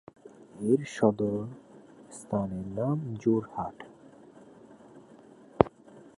এর সদর স্থানের নাম যোরহাট।